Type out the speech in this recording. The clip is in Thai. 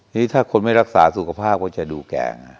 นี่ถ้าคนไม่รักษาสุขภาพก็จะดูแกไง